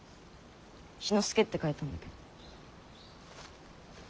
「ひのすけ」って書いたんだけど。